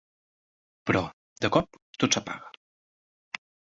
Però, de cop, tot s'apaga.